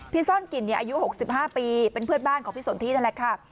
ซ่อนกลิ่นอายุ๖๕ปีเป็นเพื่อนบ้านของพี่สนทินั่นแหละค่ะ